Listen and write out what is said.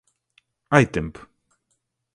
Hai tempo.